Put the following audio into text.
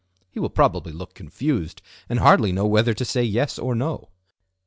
He will probably look confused, and hardly know whether to say Yes or No.